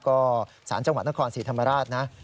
ก็สารจังหวัดนครศรีธรรมราชนะ